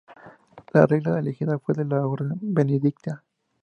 La regla elegida fue la de la orden benedictina.